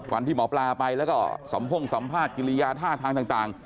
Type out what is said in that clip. วันที่หมอปลาไปแล้วก็สัมพ่งสัมภาษณ์กิริยาท่าทางต่าง